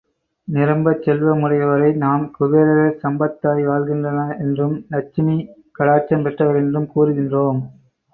நிரம்பச் செல்வமுடையவரை நாம் குபேரர் சம்பத்தாய் வாழ்கின்றனர் என்றும், இலச்சுமி கடாட்சம் பெற்றவர் என்றும் கூறுகின்றோம்.